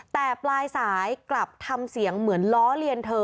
แต่ปลายสายกลับทำเสียงเหมือนล้อเลียนเธอ